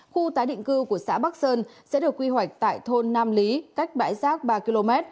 khu tái định cư của xã bắc sơn sẽ được quy hoạch tại thôn nam lý cách bãi rác ba km